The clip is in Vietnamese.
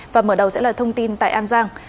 và mở đầu sẽ là thông tin tại an giang